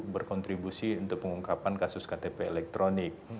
berkontribusi untuk pengungkapan kasus ktp elektronik